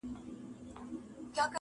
• په یوه خېز د کوهي سرته سو پورته -